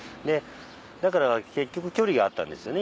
だから結局距離があったんですよね。